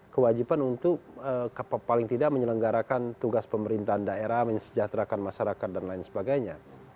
kewajiban untuk paling tidak menyelenggarakan tugas pemerintahan daerah mensejahterakan masyarakat dan lain sebagainya